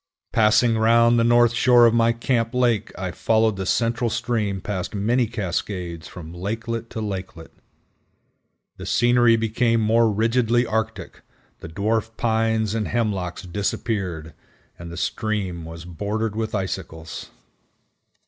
Passing round the north shore of my camp lake I followed the central stream past many cascades from lakelet to lakelet. The scenery became more rigidly arctic, the Dwarf Pines and Hemlocks disappeared, and the stream was bordered with icicles.